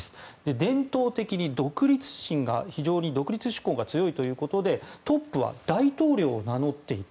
伝統的に非常に独立志向が強いということでトップは大統領を名乗っている。